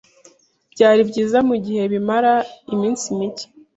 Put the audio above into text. Byari byiza mugihe bimara iminsi mike.